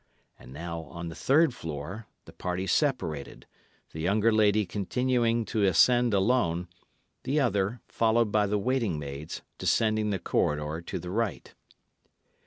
And now, on the third floor, the party separated, the younger lady continuing to ascend alone, the other, followed by the waiting maids, descending the corridor to the right.